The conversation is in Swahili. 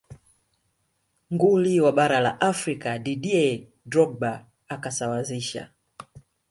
nguli wa bara la afrika didier drogba akasawazisha